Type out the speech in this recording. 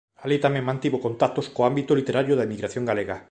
Alí tamén mantivo contactos co ámbito literario da emigración galega.